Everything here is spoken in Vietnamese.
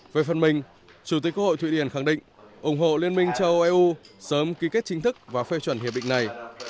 về phần mình chủ tịch quốc hội thụy điển khẳng định ủng hộ liên minh châu âu eu sớm ký kết chính thức và phê chuẩn hiệp định này